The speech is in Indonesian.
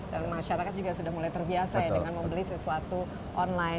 dan masyarakat juga sudah mulai terbiasa ya dengan membeli sesuatu online